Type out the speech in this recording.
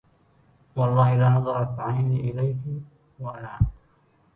والله لا نظرت عيني إليك ولا